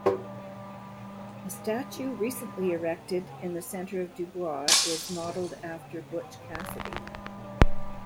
A statue recently erected in the center of Dubois is modeled after Butch Cassidy.